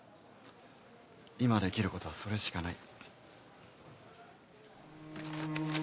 今できる事はそれしかない。